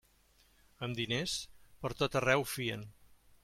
Amb diners, pertot arreu fien.